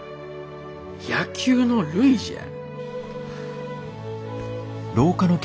野球の塁じゃ。